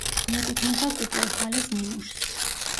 მიეკუთვნება კუპელჰალეს ნიმუშს.